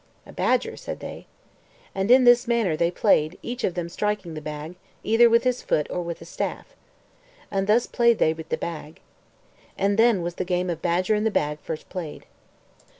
"A badger," said they. And in this manner they played, each of them striking the bag, either with his foot or with a staff. And thus played they with the bag. And then was the game of Badger in the Bag first played.